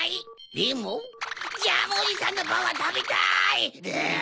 でもジャムおじさんのパンはたべたい！